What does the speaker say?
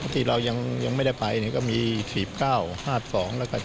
ที่เรายังไม่ได้ไปก็มี๔๙๕๒แล้วก็๗